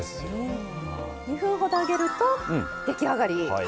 ２分ほど揚げると出来上がり。